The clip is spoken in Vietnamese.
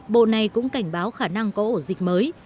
bộ này cũng cảnh báo khả năng có ổ dịch mới